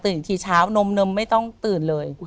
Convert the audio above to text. อีกทีเช้านมไม่ต้องตื่นเลย